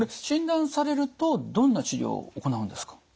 診断されるとどんな治療を行うんですか？